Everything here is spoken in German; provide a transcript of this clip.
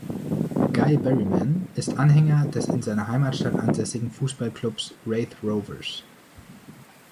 Guy Berryman ist Anhänger des in seiner Heimatstadt ansässigen Fußballklubs Raith Rovers.